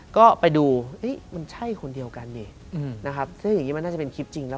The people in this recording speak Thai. ก็ไปดูมันใช่คนเดียวกันนี่นะครับซึ่งอย่างนี้มันน่าจะเป็นคลิปจริงแล้ว